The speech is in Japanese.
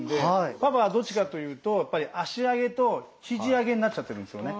パパはどっちかというと脚上げとひじ上げになっちゃってるんですよね。